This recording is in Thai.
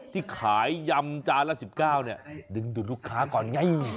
ที่ขายยำจานละ๑๙เนี่ยดึงดูดลูกค้าก่อนไง